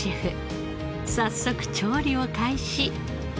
早速調理を開始。